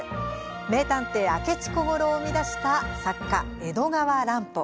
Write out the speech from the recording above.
名探偵、明智小五郎を生み出した作家、江戸川乱歩。